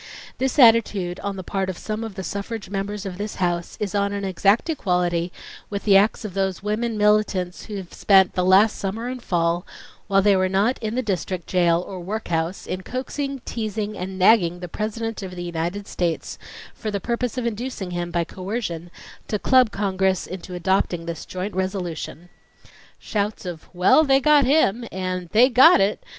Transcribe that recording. This attitude on the part of some of the suffrage Members of this House is on an exact equality with the acts of these women militants who have spent the last summer and fall, while they were not in the district jail or workhouse, in coaxing, teasing, and nagging the Presi dent of the United States for the purpose of inducing him, by coercion, to club Congress into adopting this joint resolution." Shouts of "Well, they got him!" and "They got it!"